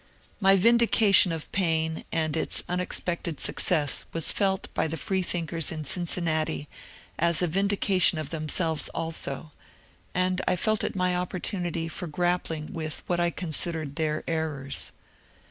My vindication of Paine and its unexpected success was felt by the freethinkers in Cincinnati as a vindication of them selves also, and I felt it my opportunity for grappling with what I considered their errors.